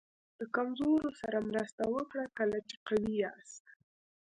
د کمزورو سره مرسته وکړه کله چې قوي یاست.